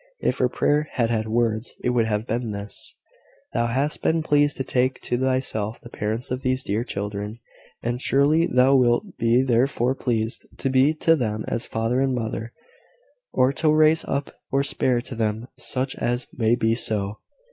If her prayer had had words, it would have been this: "Thou hast been pleased to take to thyself the parents of these dear children; and surely thou wilt be therefore pleased to be to them as father and mother, or to raise up or spare to them such as may be so.